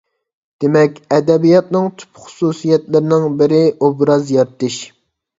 دېمەك، ئەدەبىياتنىڭ تۈپ خۇسۇسىيەتلىرىنىڭ بىرى ئوبراز يارىتىش.